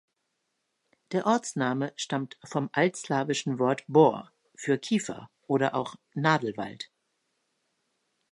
Der Ortsname stammt vom altslawischen Wort "bor" für „Kiefer“ oder auch „Nadelwald“.